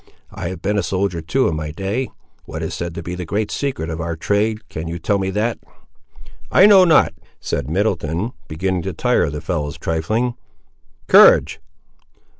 I have been a soldier, too, in my day. What is said to be the great secret of our trade, can you tell me that?" "I know not," said Middleton, beginning to tire of the fellow's trifling: "courage?"